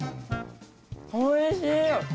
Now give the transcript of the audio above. おいしい。